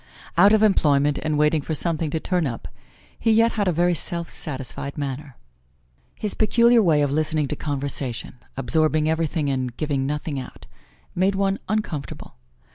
Out of employment and waiting for something to turn up, he yet had a very self satisfied manner. His peculiar way of listening to conversation absorbing everything and giving nothing out made one uncomfortable.